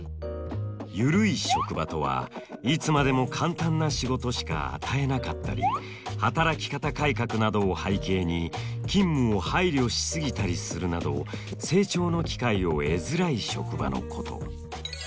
ゆるい職場とはいつまでも簡単な仕事しか与えなかったり働き方改革などを背景に勤務を配慮し過ぎたりするなど成長の機会を得づらい職場のこと。